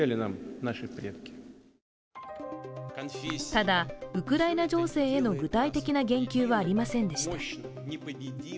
ただ、ウクライナ情勢への具体的な言及はありませんでした。